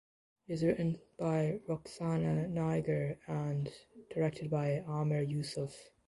It is written by Rukhsana Nigar and directed by Aamir Yousuf.